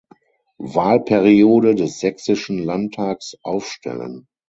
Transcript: Wahlperiode des sächsischen Landtags aufstellen.